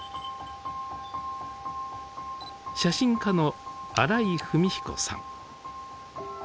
写真家の新井文彦さん。